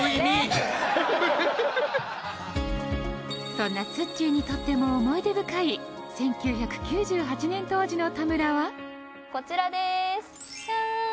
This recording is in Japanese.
そんなツッチーにとっても思い出深い１９９８年当時の田村はこちらですジャーン。